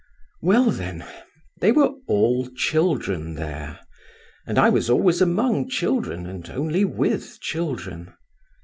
"Well, then—they were all children there, and I was always among children and only with children.